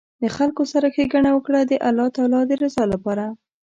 د خلکو سره ښیګڼه وکړه د الله تعالي د رضا لپاره